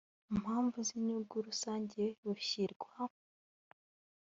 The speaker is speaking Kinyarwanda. mpamvu z inyungu rusange bushyirwa